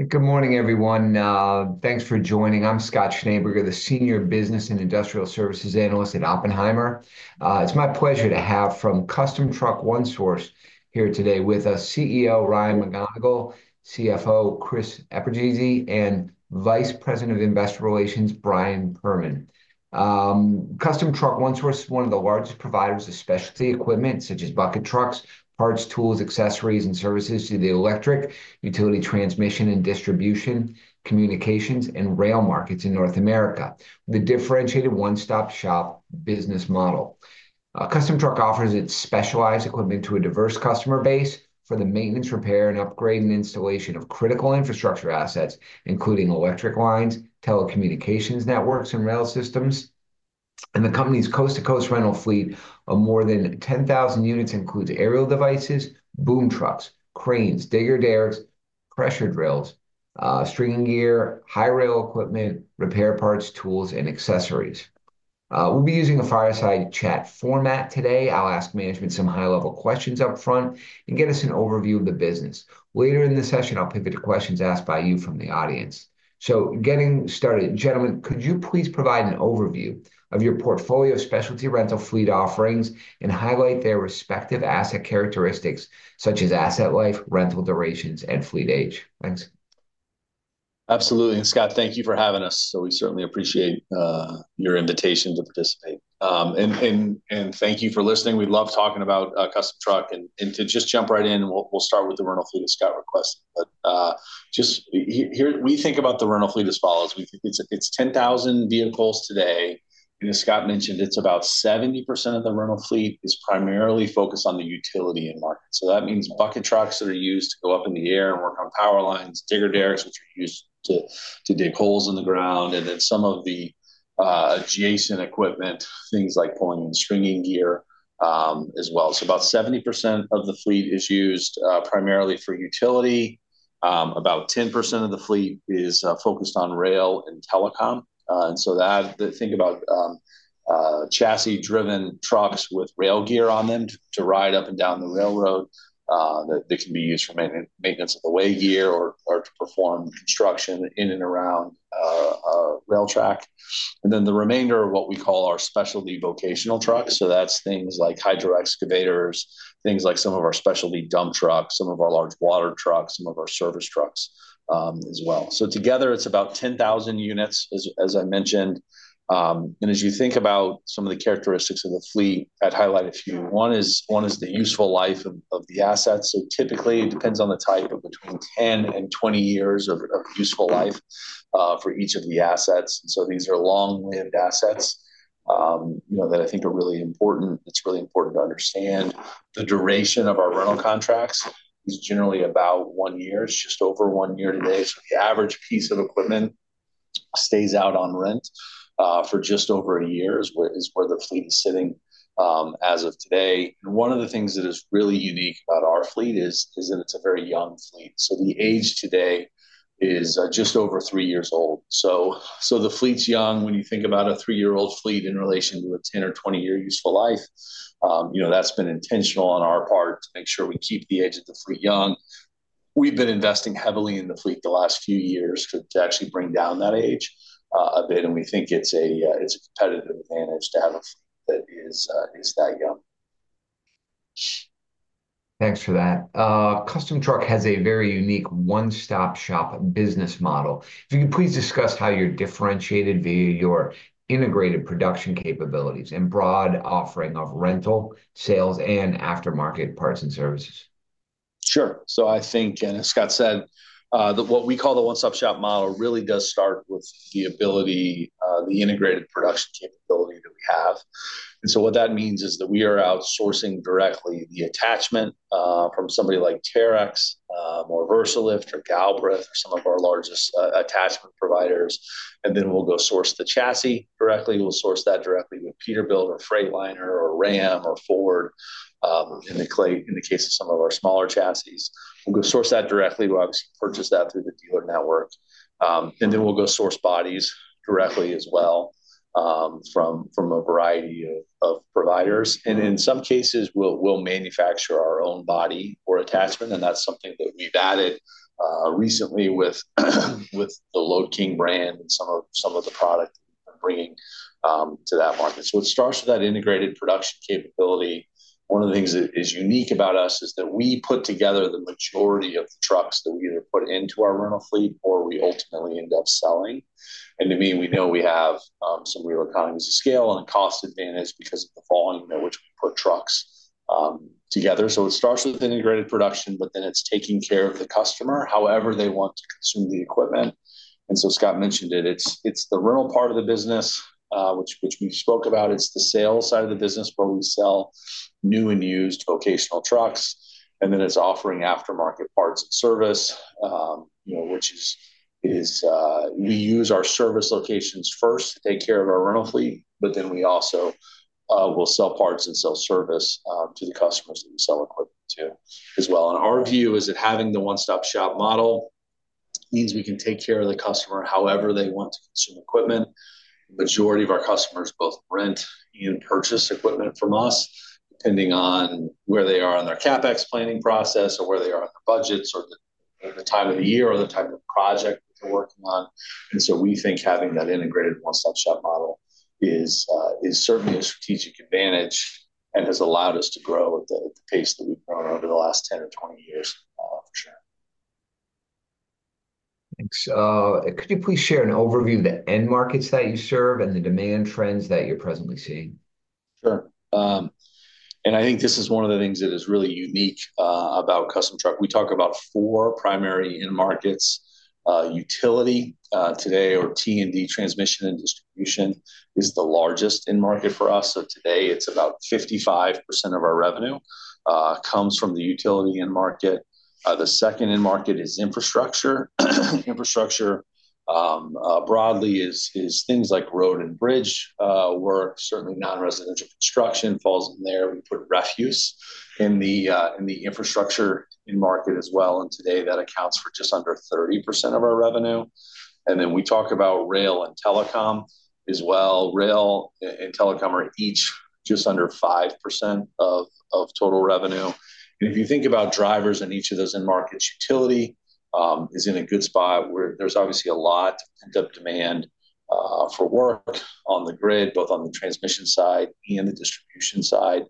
It's my pleasure to have from Custom Truck One Source here today with us CEO Ryan McMonagle, CFO Chris Eperjesy, and Vice President of Investor Relations Brian Perman. Custom Truck One Source is one of the largest providers of specialty equipment such as bucket trucks, parts, tools, accessories, and services to the electric, utility transmission and distribution, communications, and rail markets in North America. The differentiated one-stop shop business model. Custom Truck offers its specialized equipment to a diverse customer base for the maintenance, repair, and upgrade and installation of critical infrastructure assets, including electric lines, telecommunications networks, and rail systems. The company's coast-to-coast rental fleet of more than 10,000 units includes aerial devices, boom trucks, cranes, digger derricks, pressure drills, stringing gear, high rail equipment, repair parts, tools, and accessories. We'll be using a fireside chat format today. I'll ask management some high-level questions upfront and get us an overview of the business. Later in the session, I'll pivot to questions asked by you from the audience. Getting started, gentlemen, could you please provide an overview of your portfolio of specialty rental fleet offerings and highlight their respective asset characteristics such as asset life, rental durations, and fleet age? Thanks. Absolutely. Scott, thank you for having us. We certainly appreciate your invitation to participate. Thank you for listening. We love talking about Custom Truck. To just jump right in, we'll start with the rental fleet as Scott requested. Here, we think about the rental fleet as follows. It's 10,000 vehicles today. As Scott mentioned, about 70% of the rental fleet is primarily focused on the utility end market. That means bucket trucks that are used to go up in the air and work on power lines, digger derricks, which are used to dig holes in the ground, and then some of the adjacent equipment, things like pulling and stringing gear as well. About 70% of the fleet is used primarily for utility. About 10% of the fleet is focused on rail and telecom. Think about chassis-driven trucks with rail gear on them to ride up and down the railroad that can be used for maintenance of the way gear or to perform construction in and around a rail track. The remainder of what we call our specialty vocational trucks, that's things like hydro excavators, things like some of our specialty dump trucks, some of our large water trucks, some of our service trucks as well. Together, it's about 10,000 units, as I mentioned. As you think about some of the characteristics of the fleet, I'd highlight a few. One is the useful life of the assets. Typically, it depends on the type, between 10 and 20 years of useful life for each of the assets. These are long-lived assets that I think are really important. It's really important to understand the duration of our rental contracts is generally about one year. It's just over one year today. The average piece of equipment stays out on rent for just over a year is where the fleet is sitting as of today. One of the things that is really unique about our fleet is that it's a very young fleet. The age today is just over three years old. The fleet's young when you think about a three-year-old fleet in relation to a 10 or 20 year useful life. That's been intentional on our part to make sure we keep the age of the fleet young. We've been investing heavily in the fleet the last few years to actually bring down that age a bit. We think it's a competitive advantage to have a fleet that is that young. Thanks for that. Custom Truck has a very unique one-stop shop business model. If you could please discuss how you're differentiated via your integrated production capabilities and broad offering of rental, sales, and aftermarket parts and services. Sure. I think, as Scott said, that what we call the one-stop shop model really does start with the ability, the integrated production capability that we have. What that means is that we are outsourcing directly the attachment from somebody like Terex or Versalift or Galbraith or some of our largest attachment providers. We will go source the chassis directly. We will source that directly with Peterbilt or Freightliner or Ram or Ford in the case of some of our smaller chassis. We will go source that directly. We obviously purchase that through the dealer network. We will go source bodies directly as well from a variety of providers. In some cases, we will manufacture our own body or attachment. That is something that we have added recently with the Lode King brand and some of the product that we are bringing to that market. It starts with that integrated production capability. One of the things that is unique about us is that we put together the majority of the trucks that we either put into our rental fleet or we ultimately end up selling. To me, we know we have some real economies of scale and a cost advantage because of the volume at which we put trucks together. It starts with integrated production, but then it is taking care of the customer however they want to consume the equipment. Scott mentioned it. It is the rental part of the business, which we spoke about. It is the sales side of the business where we sell new and used vocational trucks. It is offering aftermarket parts and service, which is we use our service locations first to take care of our rental fleet, but then we also will sell parts and sell service to the customers that we sell equipment to as well. Our view is that having the one-stop shop model means we can take care of the customer however they want to consume equipment. The majority of our customers both rent and purchase equipment from us, depending on where they are on their CapEx planning process or where they are on their budgets or the time of the year or the type of project that they're working on. We think having that integrated one-stop shop model is certainly a strategic advantage and has allowed us to grow at the pace that we've grown over the last 10 or 20 years, for sure. Thanks. Could you please share an overview of the end markets that you serve and the demand trends that you're presently seeing? Sure. I think this is one of the things that is really unique about Custom Truck. We talk about four primary end markets. Utility today, or T&D, transmission and distribution, is the largest end market for us. Today, about 55% of our revenue comes from the utility end market. The second end market is infrastructure. Infrastructure broadly is things like road and bridge work, certainly non-residential construction falls in there. We put refuse in the infrastructure end market as well. Today, that accounts for just under 30% of our revenue. We talk about rail and telecom as well. Rail and telecom are each just under 5% of total revenue. If you think about drivers in each of those end markets, utility is in a good spot. There's obviously a lot of demand for work on the grid, both on the transmission side and the distribution side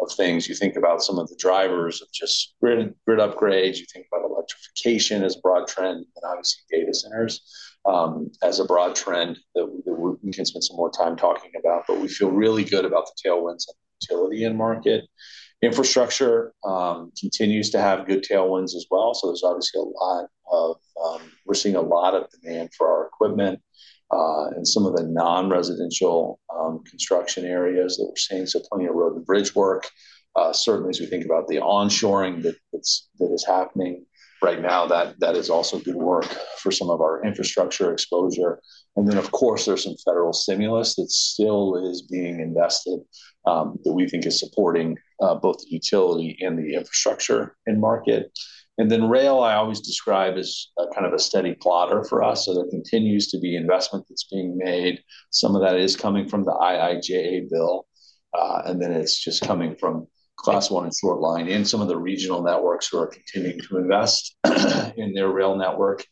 of things. You think about some of the drivers of just grid upgrades. You think about electrification as a broad trend and obviously data centers as a broad trend that we can spend some more time talking about. We feel really good about the tailwinds of the utility end market. Infrastructure continues to have good tailwinds as well. There's obviously a lot of demand for our equipment in some of the non-residential construction areas that we're seeing. Plenty of road and bridge work. Certainly, as we think about the onshoring that is happening right now, that is also good work for some of our infrastructure exposure. There is some federal stimulus that still is being invested that we think is supporting both the utility and the infrastructure end market. Rail, I always describe as kind of a steady plotter for us. There continues to be investment that's being made. Some of that is coming from the IIJA bill. It is also coming from class one and short line and some of the regional networks who are continuing to invest in their rail network.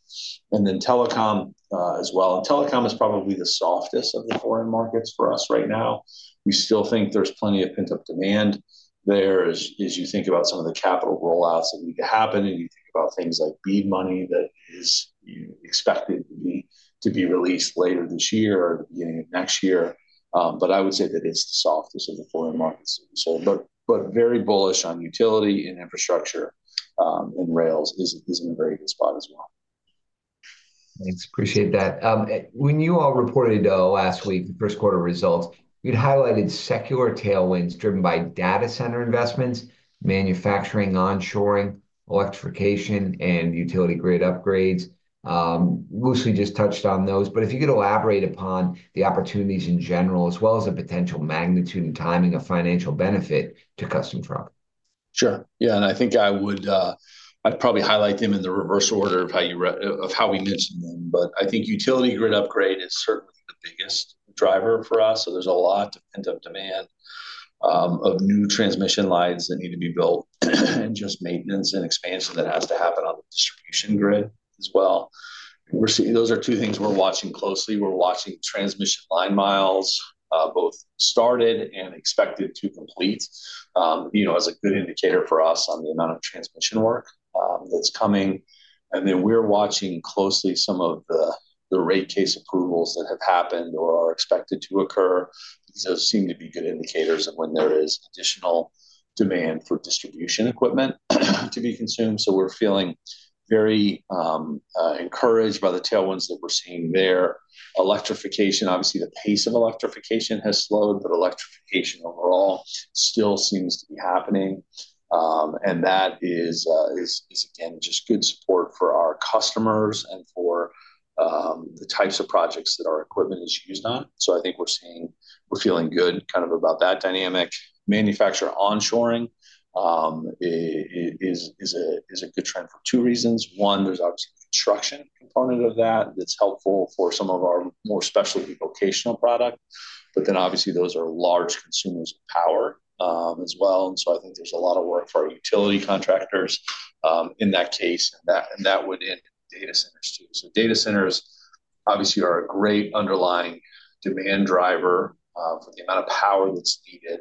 Telecom as well. Telecom is probably the softest of the four markets for us right now. We still think there is plenty of pent-up demand there as you think about some of the capital rollouts that need to happen. You think about things like BEAD money that is expected to be released later this year or the beginning of next year. I would say that it's the softest of the foreign markets. Very bullish on utility and infrastructure, and rail is in a very good spot as well. Thanks. Appreciate that. When you all reported, though, last week, the first quarter results, you'd highlighted secular tailwinds driven by data center investments, manufacturing, onshoring, electrification, and utility grid upgrades. Loosely just touched on those. If you could elaborate upon the opportunities in general, as well as the potential magnitude and timing of financial benefit to Custom Truck. Sure. Yeah. I think I would probably highlight them in the reverse order of how we mentioned them. I think utility grid upgrade is certainly the biggest driver for us. There is a lot of pent-up demand of new transmission lines that need to be built and just maintenance and expansion that has to happen on the distribution grid as well. Those are two things we are watching closely. We are watching transmission line miles, both started and expected to complete, as a good indicator for us on the amount of transmission work that is coming. We are also watching closely some of the rate case approvals that have happened or are expected to occur. Those seem to be good indicators of when there is additional demand for distribution equipment to be consumed. We are feeling very encouraged by the tailwinds that we are seeing there. Electrification, obviously, the pace of electrification has slowed, but electrification overall still seems to be happening. That is, again, just good support for our customers and for the types of projects that our equipment is used on. I think we're feeling good kind of about that dynamic. Manufacturer onshoring is a good trend for two reasons. One, there's obviously a construction component of that that's helpful for some of our more specialty vocational products. Then, obviously, those are large consumers of power as well. I think there's a lot of work for our utility contractors in that case. That would end in data centers too. Data centers obviously are a great underlying demand driver for the amount of power that's needed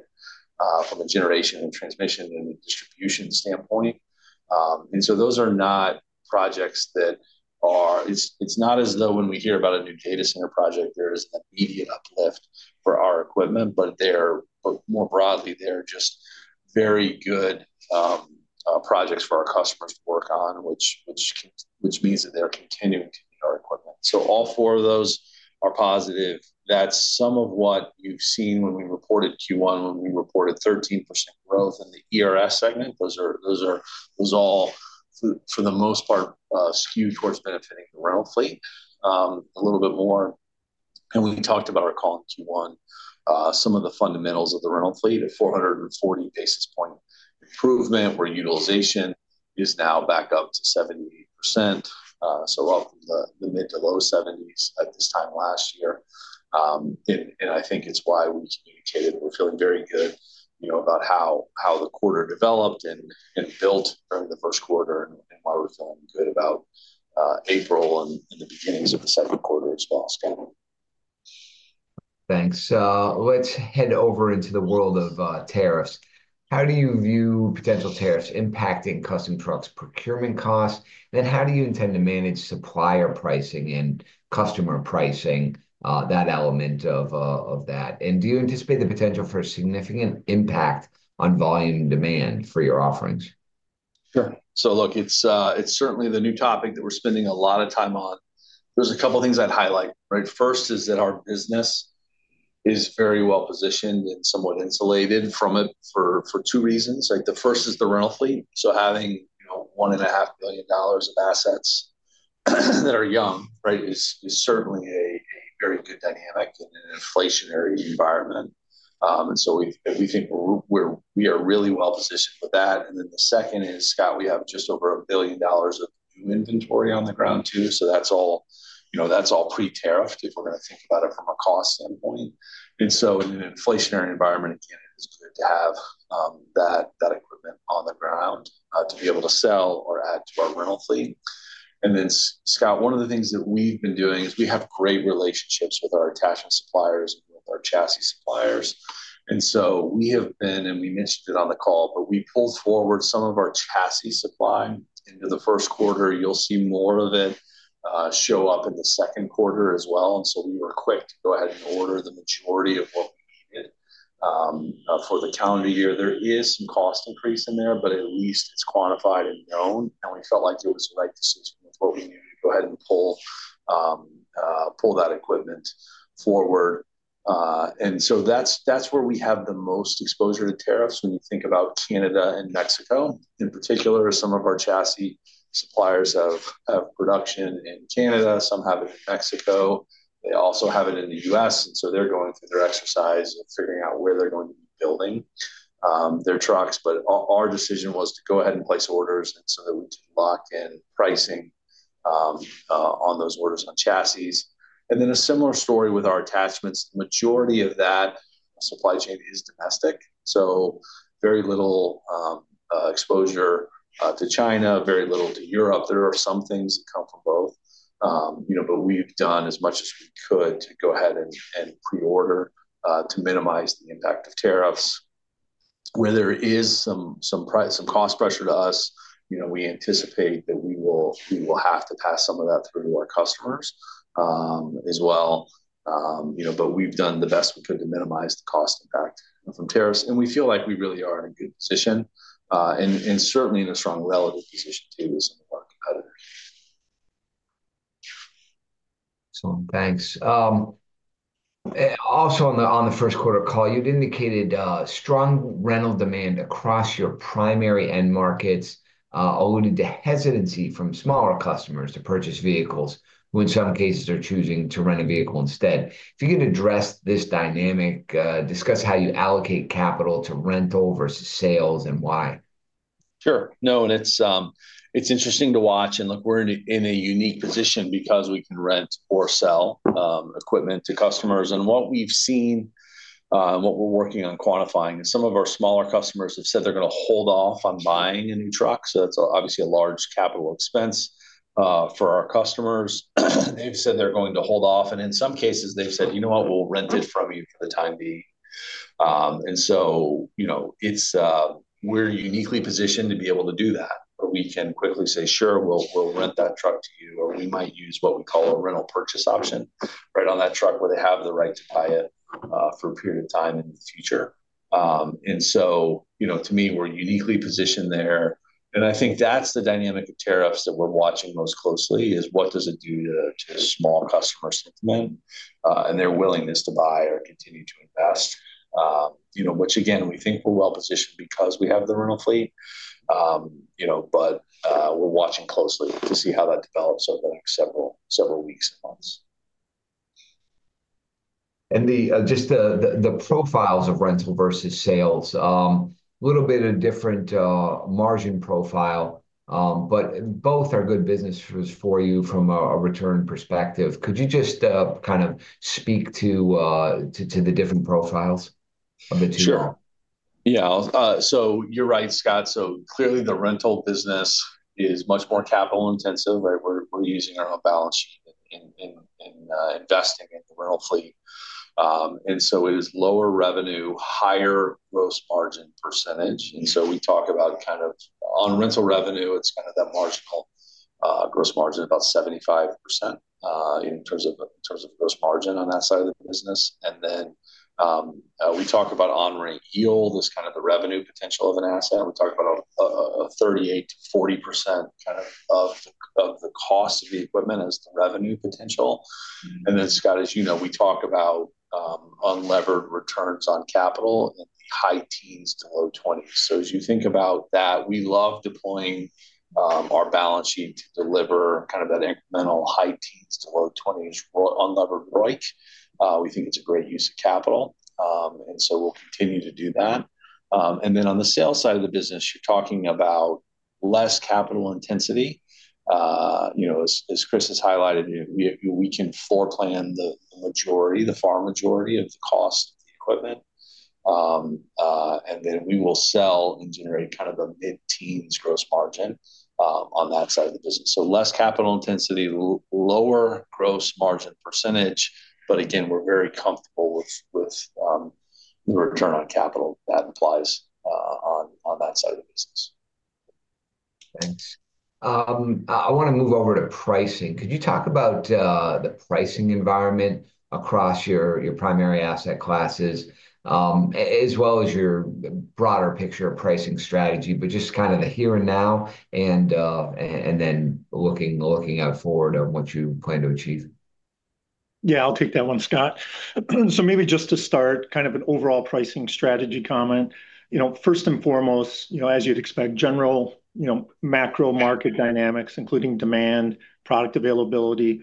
from a generation and transmission and distribution standpoint. Those are not projects that are, it's not as though when we hear about a new data center project, there is an immediate uplift for our equipment. More broadly, they're just very good projects for our customers to work on, which means that they're continuing to need our equipment. All four of those are positive. That's some of what you've seen when we reported Q1, when we reported 13% growth in the ERS segment. Those are all, for the most part, skewed towards benefiting the rental fleet a little bit more. We talked about our call in Q1, some of the fundamentals of the rental fleet, a 440 basis point improvement where utilization is now back up to 78%. Up in the mid to low 70's at this time last year. I think it's why we communicated. We're feeling very good about how the quarter developed and built during the first quarter and why we're feeling good about April and the beginnings of the second quarter as well. Thanks. Let's head over into the world of tariffs. How do you view potential tariffs impacting Custom Truck One Source's procurement costs? How do you intend to manage supplier pricing and customer pricing, that element of that? Do you anticipate the potential for significant impact on volume demand for your offerings? Sure. Look, it's certainly the new topic that we're spending a lot of time on. There are a couple of things I'd highlight. First is that our business is very well positioned and somewhat insulated from it for two reasons. The first is the rental fleet. Having $1.5 billion of assets that are young is certainly a very good dynamic in an inflationary environment. We think we are really well positioned with that. The second is, Scott, we have just over $1 billion of new inventory on the ground too. That's all pre-tariffed if we're going to think about it from a cost standpoint. In an inflationary environment, again, it is good to have that equipment on the ground to be able to sell or add to our rental fleet. Scott, one of the things that we've been doing is we have great relationships with our attachment suppliers and with our chassis suppliers. We have been, and we mentioned it on the call, but we pulled forward some of our chassis supply into the first quarter. You'll see more of it show up in the second quarter as well. We were quick to go ahead and order the majority of what we needed for the calendar year. There is some cost increase in there, but at least it's quantified and known. We felt like it was the right decision with what we needed to go ahead and pull that equipment forward. That is where we have the most exposure to tariffs when you think about Canada and Mexico, in particular, as some of our chassis suppliers have production in Canada, some have it in Mexico. They also have it in the U.S. They are going through their exercise of figuring out where they are going to be building their trucks. Our decision was to go ahead and place orders so that we can lock in pricing on those orders on chassis. A similar story with our attachments. The majority of that supply chain is domestic. Very little exposure to China, very little to Europe. There are some things that come from both. We have done as much as we could to go ahead and pre-order to minimize the impact of tariffs. Where there is some cost pressure to us, we anticipate that we will have to pass some of that through to our customers as well. We have done the best we could to minimize the cost impact from tariffs. We feel like we really are in a good position. We are certainly in a strong relative position too with some of our competitors. Excellent. Thanks. Also on the first quarter call, you'd indicated strong rental demand across your primary end markets alluded to hesitancy from smaller customers to purchase vehicles who, in some cases, are choosing to rent a vehicle instead. If you could address this dynamic, discuss how you allocate capital to rental versus sales and why. Sure. No, and it's interesting to watch. Look, we're in a unique position because we can rent or sell equipment to customers. What we've seen, what we're working on quantifying, is some of our smaller customers have said they're going to hold off on buying a new truck. That's obviously a large capital expense for our customers. They've said they're going to hold off. In some cases, they've said, "You know what? We'll rent it from you for the time being." We're uniquely positioned to be able to do that. We can quickly say, "Sure, we'll rent that truck to you," or we might use what we call a rental purchase option right on that truck where they have the right to buy it for a period of time in the future. To me, we're uniquely positioned there. I think that's the dynamic of tariffs that we're watching most closely is what does it do to small customers' demand and their willingness to buy or continue to invest, which, again, we think we're well positioned because we have the rental fleet. We're watching closely to see how that develops over the next several weeks and months. Just the profiles of rental versus sales, a little bit of a different margin profile, but both are good businesses for you from a return perspective. Could you just kind of speak to the different profiles of the two? Sure. Yeah. So you're right, Scott. So clearly, the rental business is much more capital intensive. We're using our own balance sheet in investing in the rental fleet. It is lower revenue, higher gross margin percentage. We talk about kind of on rental revenue, it's kind of that marginal gross margin, about 75% in terms of gross margin on that side of the business. We talk about on-ring yield as kind of the revenue potential of an asset. We talk about a 38%-40% kind of of the cost of the equipment as the revenue potential. Then, Scott, as you know, we talk about unlevered returns on capital in the high teens to low 20's. As you think about that, we love deploying our balance sheet to deliver kind of that incremental high teens to low 20's for unlevered ROIC. We think it's a great use of capital. We'll continue to do that. On the sales side of the business, you're talking about less capital intensity. As Chris has highlighted, we can foreplan the majority, the far majority of the cost of the equipment. We will sell and generate kind of a mid-teens gross margin on that side of the business. Less capital intensity, lower gross margin percentage. Again, we're very comfortable with the return on capital that implies on that side of the business. Thanks. I want to move over to pricing. Could you talk about the pricing environment across your primary asset classes as well as your broader picture of pricing strategy, but just kind of the here and now and then looking out forward on what you plan to achieve? Yeah, I'll take that one, Scott. Maybe just to start, kind of an overall pricing strategy comment. First and foremost, as you'd expect, general macro market dynamics, including demand, product availability,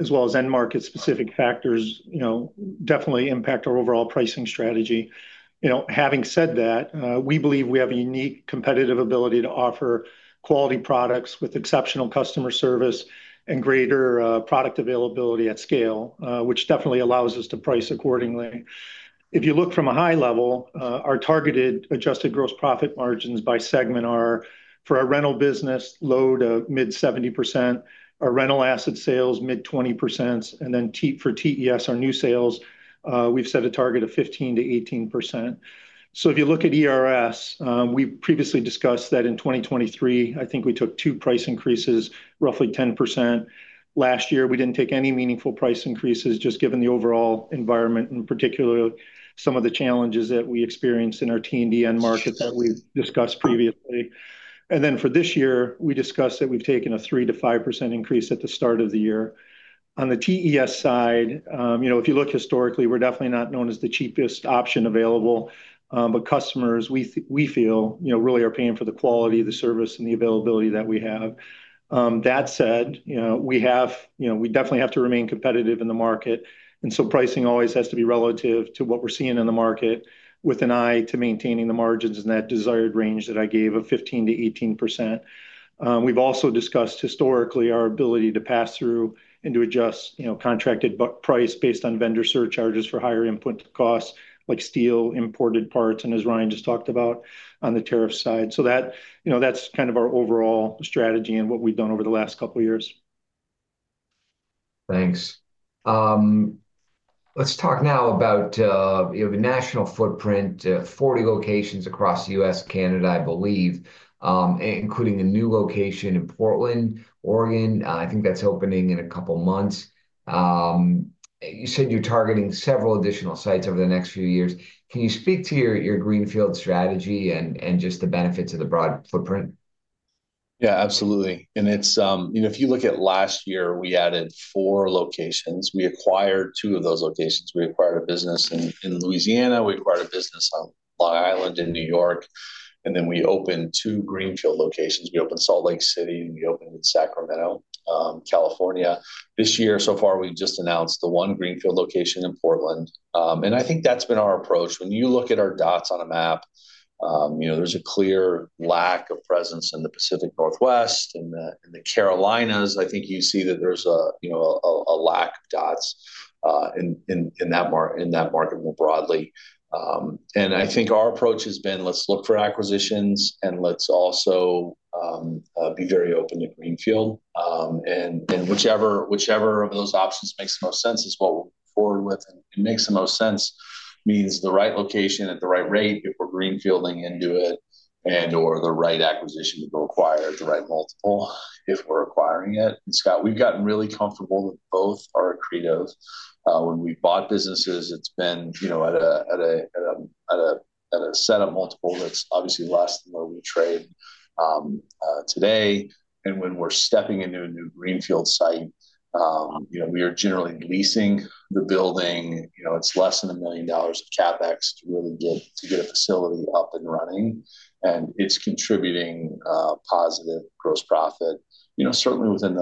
as well as end market-specific factors, definitely impact our overall pricing strategy. Having said that, we believe we have a unique competitive ability to offer quality products with exceptional customer service and greater product availability at scale, which definitely allows us to price accordingly. If you look from a high level, our targeted adjusted gross profit margins by segment are for our rental business, low to mid 70%. Our rental asset sales, mid 20%. Then for TES, our new sales, we've set a target of 15%-18%. If you look at ERS, we previously discussed that in 2023, I think we took two price increases, roughly 10%. Last year, we did not take any meaningful price increases, just given the overall environment and particularly some of the challenges that we experienced in our T&D end market that we have discussed previously. For this year, we discussed that we have taken a 3%-5% increase at the start of the year. On the TES side, if you look historically, we are definitely not known as the cheapest option available. Customers, we feel, really are paying for the quality, the service, and the availability that we have. That said, we definitely have to remain competitive in the market. Pricing always has to be relative to what we are seeing in the market with an eye to maintaining the margins in that desired range that I gave of 15%-18%. We've also discussed historically our ability to pass through and to adjust contracted price based on vendor surcharges for higher input costs, like steel, imported parts, and as Ryan just talked about on the tariff side. That is kind of our overall strategy and what we've done over the last couple of years. Thanks. Let's talk now about the national footprint, 40 locations across the U.S., Canada, I believe, including a new location in Portland, Oregon. I think that's opening in a couple of months. You said you're targeting several additional sites over the next few years. Can you speak to your greenfield strategy and just the benefits of the broad footprint? Yeah, absolutely. If you look at last year, we added four locations. We acquired two of those locations. We acquired a business in Louisiana. We acquired a business on Long Island in New York. We opened two greenfield locations. We opened Salt Lake City and we opened in Sacramento, California. This year, so far, we've just announced the one greenfield location in Portland. I think that's been our approach. When you look at our dots on a map, there's a clear lack of presence in the Pacific Northwest. In the Carolinas, I think you see that there's a lack of dots in that market more broadly. I think our approach has been, let's look for acquisitions and let's also be very open to greenfield. Whichever of those options makes the most sense is what we'll move forward with. It makes the most sense, means the right location at the right rate if we're greenfielding into it and/or the right acquisition to acquire the right multiple if we're acquiring it. Scott, we've gotten really comfortable with both our accretives. When we bought businesses, it's been at a set of multiples that's obviously less than where we trade today. When we're stepping into a new greenfield site, we are generally leasing the building. It's less than $1 million of CapEx to really get a facility up and running. It's contributing positive gross profit, certainly within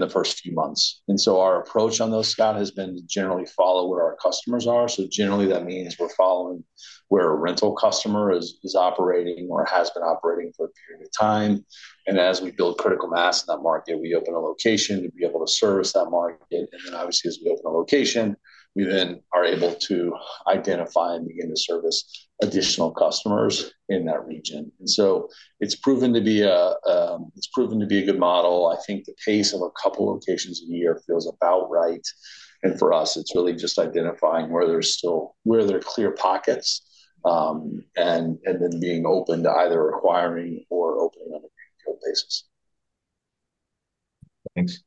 the first few months. Our approach on those, Scott, has been to generally follow where our customers are. Generally, that means we're following where a rental customer is operating or has been operating for a period of time. As we build critical mass in that market, we open a location to be able to service that market. Obviously, as we open a location, we then are able to identify and begin to service additional customers in that region. It has proven to be a good model. I think the pace of a couple of locations a year feels about right. For us, it is really just identifying where there are clear pockets and then being open to either acquiring. Thanks.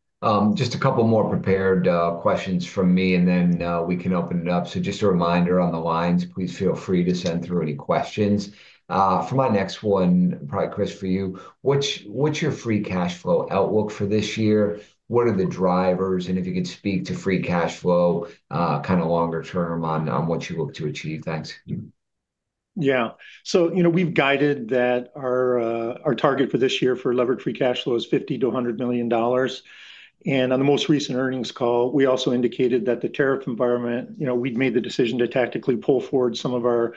Just a couple more prepared questions from me, and then we can open it up. Just a reminder on the lines, please feel free to send through any questions. For my next one, probably Chris for you, what's your free cash flow outlook for this year? What are the drivers? If you could speak to free cash flow kind of longer term on what you hope to achieve. Thanks. Yeah. We've guided that our target for this year for levered free cash flow is $50 million-$100 million. On the most recent earnings call, we also indicated that the tariff environment, we'd made the decision to tactically pull forward some of our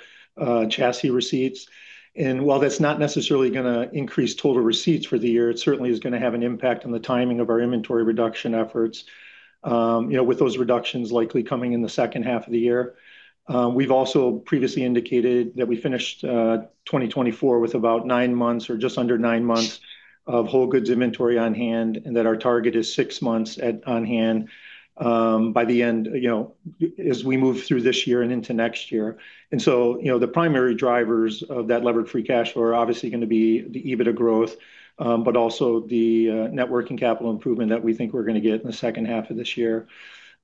chassis receipts. While that's not necessarily going to increase total receipts for the year, it certainly is going to have an impact on the timing of our inventory reduction efforts, with those reductions likely coming in the second half of the year. We've also previously indicated that we finished 2024 with about nine months or just under nine months of whole goods inventory on hand and that our target is six months on hand by the end as we move through this year and into next year. The primary drivers of that levered free cash flow are obviously going to be the EBITDA growth, but also the networking capital improvement that we think we're going to get in the second half of this year.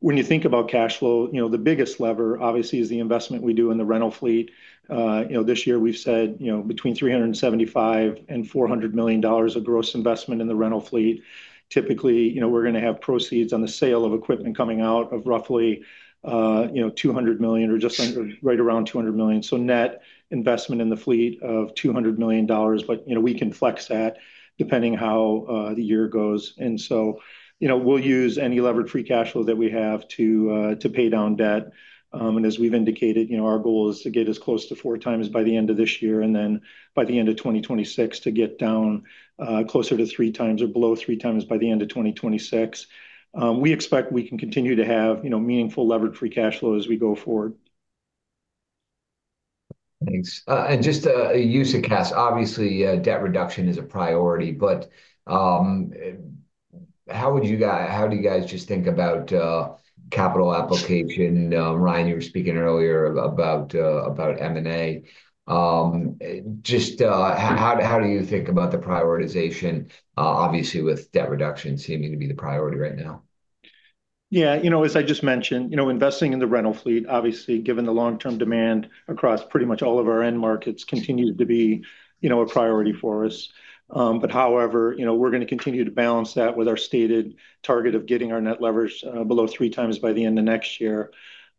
When you think about cash flow, the biggest lever obviously is the investment we do in the rental fleet. This year, we've said between $375 million and $400 million of gross investment in the rental fleet. Typically, we're going to have proceeds on the sale of equipment coming out of roughly $200 million or just right around $200 million. Net investment in the fleet of $200 million, but we can flex that depending how the year goes. We'll use any levered free cash flow that we have to pay down debt. As we've indicated, our goal is to get as close to four times by the end of this year and then by the end of 2026 to get down closer to three times or below three times by the end of 2026. We expect we can continue to have meaningful levered free cash flow as we go forward. Thanks. Just a use of cash, obviously debt reduction is a priority, but how do you guys just think about capital application? Ryan, you were speaking earlier about M&A. Just how do you think about the prioritization, obviously with debt reduction seeming to be the priority right now? Yeah. As I just mentioned, investing in the rental fleet, obviously given the long-term demand across pretty much all of our end markets, continues to be a priority for us. However, we're going to continue to balance that with our stated target of getting our net leverage below three times by the end of next year.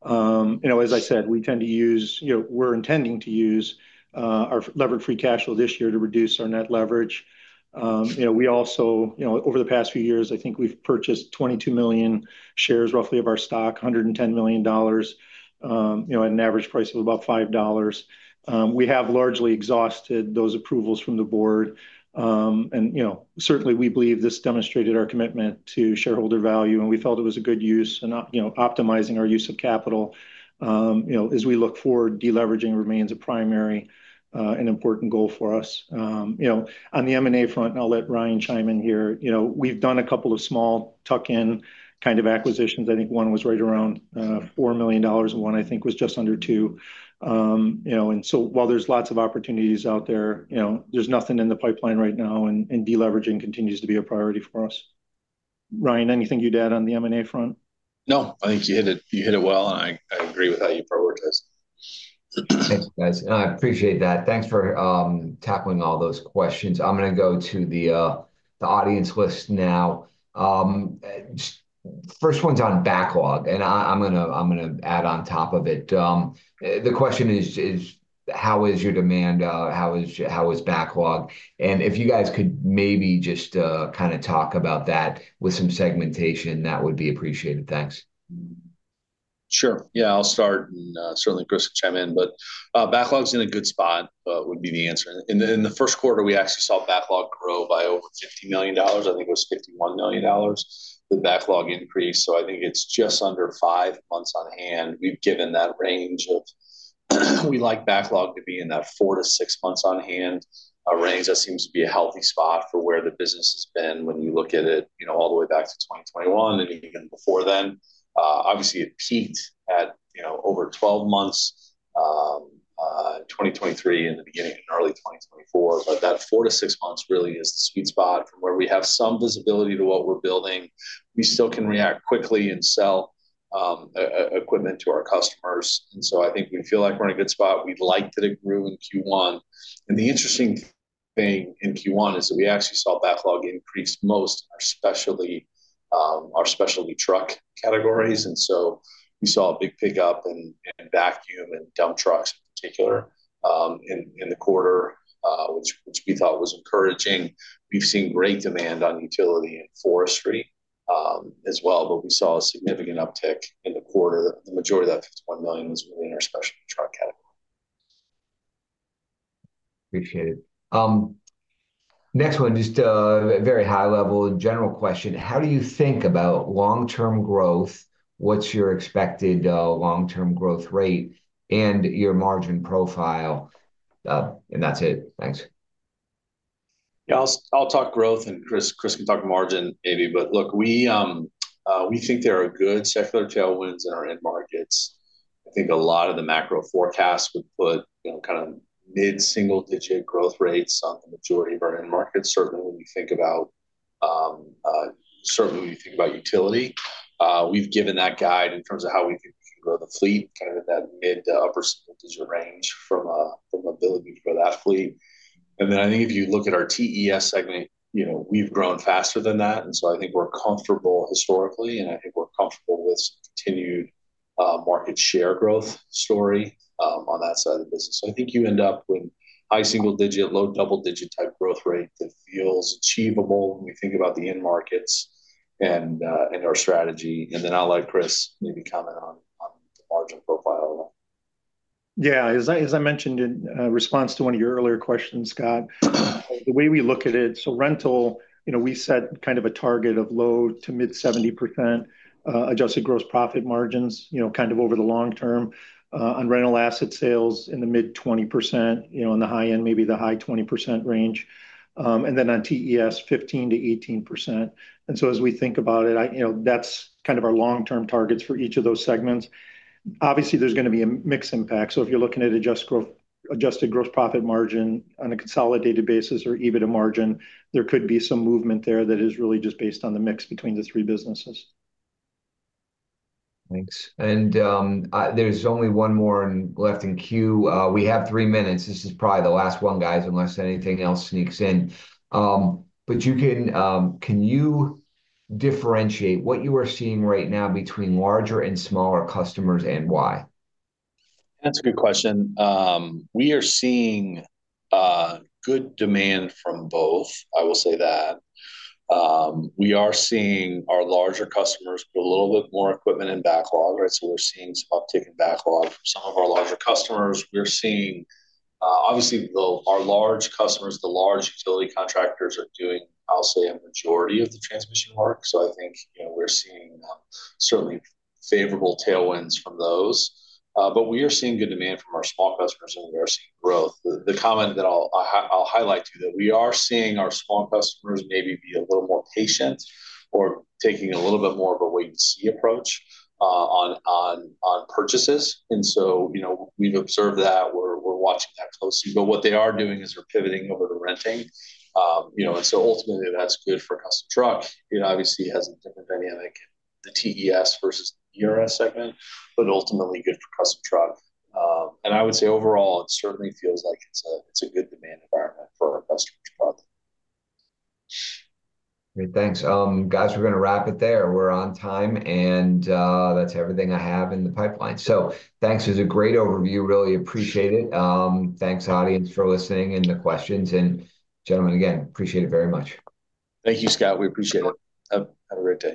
As I said, we tend to use, we're intending to use our levered free cash flow this year to reduce our net leverage. We also, over the past few years, I think we've purchased 22 million shares roughly of our stock, $110 million at an average price of about $5. We have largely exhausted those approvals from the board. Certainly, we believe this demonstrated our commitment to shareholder value, and we felt it was a good use and optimizing our use of capital. As we look forward, deleveraging remains a primary and important goal for us. On the M&A front, I'll let Ryan chime in here. We've done a couple of small tuck-in kind of acquisitions. I think one was right around $4 million and one I think was just under $2 million. And so while there's lots of opportunities out there, there's nothing in the pipeline right now, and deleveraging continues to be a priority for us. Ryan, anything you'd add on the M&A front? No, I think you hit it well. I agree with how you prioritize. Thanks, guys. I appreciate that. Thanks for tackling all those questions. I'm going to go to the audience list now. First one's on backlog, and I'm going to add on top of it. The question is, how is your demand? How is backlog? And if you guys could maybe just kind of talk about that with some segmentation, that would be appreciated. Thanks. Sure. Yeah, I'll start, and certainly Chris can chime in, but backlog's in a good spot would be the answer. In the first quarter, we actually saw backlog grow by over $50 million. I think it was $51 million with backlog increase. So I think it's just under five months on hand. We've given that range of we like backlog to be in that four-six months on hand range. That seems to be a healthy spot for where the business has been when you look at it all the way back to 2021 and even before then. Obviously, it peaked at over 12 months in 2023 and the beginning of early 2024. That four-six months really is the sweet spot from where we have some visibility to what we're building. We still can react quickly and sell equipment to our customers. I think we feel like we're in a good spot. We like that it grew in Q1. The interesting thing in Q1 is that we actually saw backlog increase most in our specially truck categories. We saw a big pickup in vacuum and dump trucks in particular in the quarter, which we thought was encouraging. We've seen great demand on utility and forestry as well, but we saw a significant uptick in the quarter. The majority of that $51 million was within our specialty truck category. Appreciate it. Next one, just a very high-level general question. How do you think about long-term growth? What's your expected long-term growth rate and your margin profile? That's it. Thanks. Yeah, I'll talk growth, and Chris can talk margin maybe. Look, we think there are good secular tailwinds in our end markets. I think a lot of the macro forecasts would put kind of mid-single-digit growth rates on the majority of our end markets, certainly when you think about utility. We've given that guide in terms of how we think we can grow the fleet, kind of at that mid- to upper-single-digit range from ability for that fleet. I think if you look at our TES segment, we've grown faster than that. I think we're comfortable historically, and I think we're comfortable with continued market share growth story on that side of the business. I think you end up with high single-digit, low double-digit type growth rate that feels achievable when we think about the end markets and our strategy. I'll let Chris maybe comment on the margin profile. Yeah. As I mentioned in response to one of your earlier questions, Scott, the way we look at it, rental, we set kind of a target of low to mid 70% adjusted gross profit margins kind of over the long term on rental asset sales in the mid 20%, on the high end, maybe the high 20% range. On TES, 15%-18%. As we think about it, that's kind of our long-term targets for each of those segments. Obviously, there's going to be a mixed impact. If you're looking at adjusted gross profit margin on a consolidated basis or EBITDA margin, there could be some movement there that is really just based on the mix between the three businesses. Thanks. There is only one more left in queue. We have three minutes. This is probably the last one, guys, unless anything else sneaks in. Can you differentiate what you are seeing right now between larger and smaller customers and why? That's a good question. We are seeing good demand from both. I will say that. We are seeing our larger customers put a little bit more equipment in backlog, right? We are seeing some uptick in backlog from some of our larger customers. We are seeing, obviously, our large customers, the large utility contractors are doing, I'll say, a majority of the transmission work. I think we are seeing certainly favorable tailwinds from those. We are seeing good demand from our small customers, and we are seeing growth. The comment that I'll highlight to you is that we are seeing our small customers maybe be a little more patient or taking a little bit more of a wait-and-see approach on purchases. We have observed that. We are watching that closely. What they are doing is they are pivoting over to renting. Ultimately, that's good for Custom Truck. It obviously has a different dynamic, the TES versus the ERS segment, but ultimately good for Custom Truck One Source. I would say overall, it certainly feels like it's a good demand environment for our customers, probably. Great. Thanks. Guys, we're going to wrap it there. We're on time, and that's everything I have in the pipeline. Thanks. It was a great overview. Really appreciate it. Thanks, audience, for listening and the questions. Gentlemen, again, appreciate it very much. Thank you, Scott. We appreciate it. Have a great day.